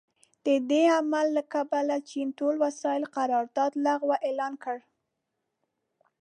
د دې عمل له کبله چین ټول وسايلو قرارداد لغوه اعلان کړ.